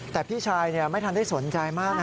แต่พี่ชายไม่ทันได้สนใจมาก